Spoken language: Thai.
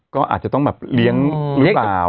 ก็อาจจะต้องแบบเลี้ยงหรือเปล่า